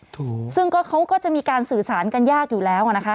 ถูกซึ่งก็เขาก็จะมีการสื่อสารกันยากอยู่แล้วอ่ะนะคะ